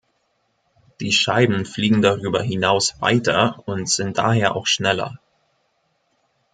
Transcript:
Die Scheiben fliegen darüber hinaus weiter und sind daher auch schneller.